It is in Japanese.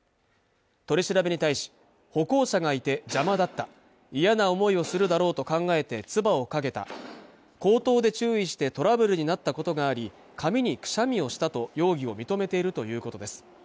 取り調べに対し歩行者がいて邪魔だったいやな思いをするだろうと考えて唾をかけた口頭で注意してトラブルになったことがあり髪にくしゃみをしたと容疑を認めているということです